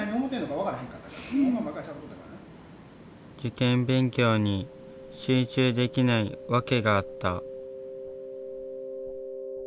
受験勉強に集中できないわけがあった。